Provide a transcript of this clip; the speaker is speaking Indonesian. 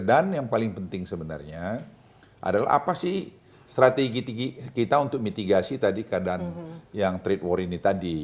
dan yang paling penting sebenarnya adalah apa sih strategi kita untuk mitigasi tadi keadaan yang trade war ini tadi